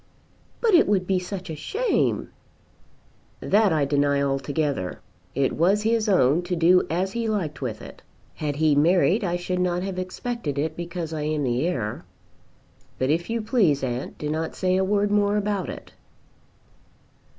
"But it would be such a shame." "That I deny altogether. It was his own to do as he liked with it. Had he married I should not have expected it because I am the heir. But, if you please, aunt, do not say a word more about it."